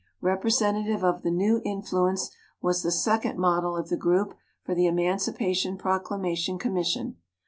Repre sentative of the new influence was the sec ond model of the group for the Emancipa tion Proclamation Commission.